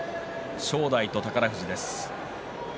正代と宝富士です。